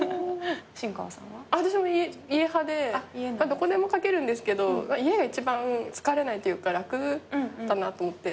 どこでも書けるんですけど家が一番疲れないというか楽だなと思って。